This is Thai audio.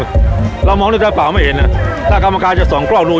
บางดวงจะมองในแป๊บเปล่าไม่เอ็นนะครับถ้ากรรมกาจะสติราสองกร้องรู